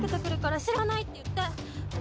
「知らない」って言って！